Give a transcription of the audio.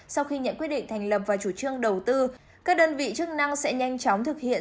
sau khi nhận quyết định thành lập và chủ trương đầu tư các đơn vị chức năng sẽ nhanh chóng thực hiện